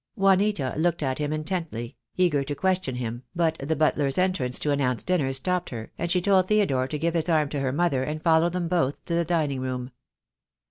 Juanita looked at him intently, eager to question him, but the butler's entrance to announce dinner stopped her, and she told Theodore to give his arm to her mother, and followed them both to the dining room.